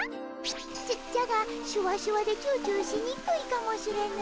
じゃじゃがシュワシュワでチューチューしにくいかもしれぬ。